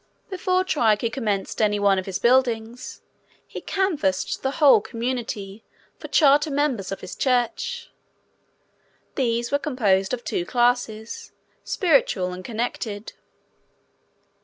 Before Trique commenced any one of his buildings, he canvassed the whole community for charter members of his church. These were composed of two classes, spiritual and connected.